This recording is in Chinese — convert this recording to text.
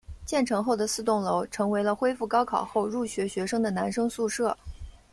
建成后的四栋楼成为了恢复高考后入学学生的男生宿舍。